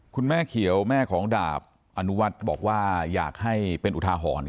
คุณแม่เขียวแม่ของดาบอนุวัฒน์บอกว่าอยากให้เป็นอุทาหรณ์